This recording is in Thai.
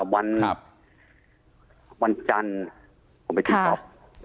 วันจันทร์ผมไปตีคอป